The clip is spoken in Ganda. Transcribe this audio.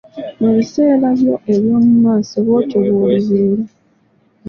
Mu biseera byo eby'omu maaso bw'otyo bw'olibeera.